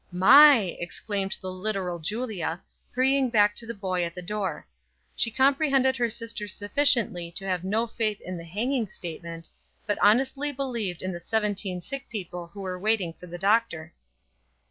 "My!" exclaimed the literal Julia, hurrying back to the boy at the door. She comprehended her sister sufficiently to have no faith in the hanging statement, but honestly believed in the seventeen sick people who were waiting for the doctor.